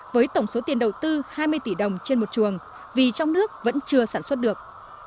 với tổng số tiền đầu tư hai mươi tỷ đồng trên một chuồng vì trong nước vẫn chưa sản xuất được